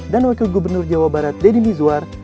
dan wakil gubernur jawa barat deddy mizwar